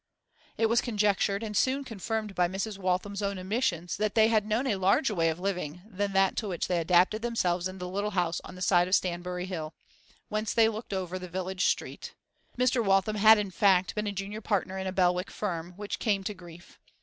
It was conjectured, and soon confirmed by Mrs. Waltham's own admissions, that they had known a larger way of living than that to which they adapted themselves in the little house on the side of Stanbury Hill, whence they looked over the village street. Mr. Waltham had, in fact, been a junior partner in a Belwick firm, which came to grief.